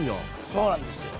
そうなんですよ。